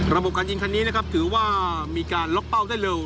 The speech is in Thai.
การยิงคันนี้นะครับถือว่ามีการล็อกเป้าได้เร็ว